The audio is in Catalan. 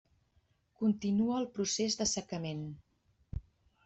Continua el procés d'assecament.